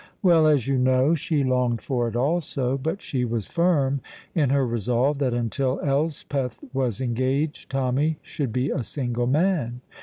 Well, as you know, she longed for it also, but she was firm in her resolve that until Elspeth was engaged Tommy should be a single man.